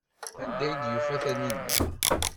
Anda ay yufa Taninna?